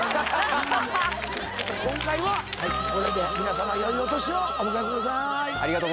今回はこれでみなさまよいお年をお迎えください